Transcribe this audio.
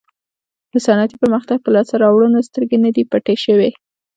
د صنعتي پرمختګ پر لاسته راوړنو سترګې نه دي پټې شوې.